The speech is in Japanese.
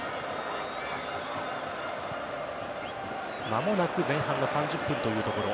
間もなく前半の３０分というところ。